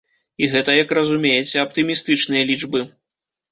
І гэта, як разумееце, аптымістычныя лічбы.